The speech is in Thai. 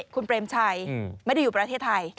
คุณเปรมชัยไม่ได้อยู่ประเทศไทย